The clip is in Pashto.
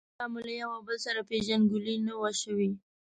لا مو له یو او بل سره پېژندګلوي نه وه شوې.